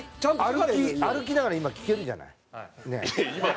歩きながら今聴けるじゃない？